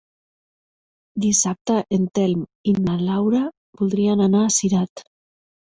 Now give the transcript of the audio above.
Dissabte en Telm i na Laura voldrien anar a Cirat.